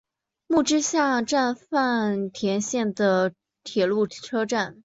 木之下站饭田线的铁路车站。